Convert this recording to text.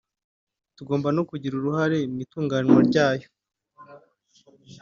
tugomba no kugira uruhare mu itunganywa ryayo”